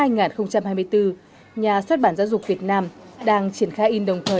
nhà xuất bản giáo dục việt nam đang triển khai in đồng thời